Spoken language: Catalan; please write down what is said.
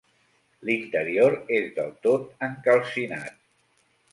L'interior és del tot encalcinat.